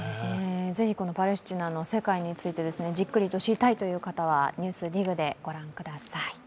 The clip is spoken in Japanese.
ぜひ、パレスチナの世界についてじっくりと知りたいという方は「ＮＥＷＳＤＩＧ」でご覧ください。